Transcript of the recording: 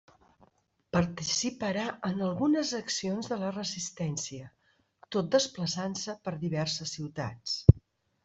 Participarà en algunes accions de la resistència, tot desplaçant-se per diverses ciutats.